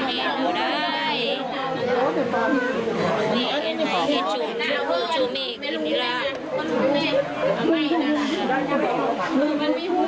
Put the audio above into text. นี่ในฮิตชุมเจ้าฮึกชุมีกริมิราอันใหม่นั่นมือมันมีหุ้น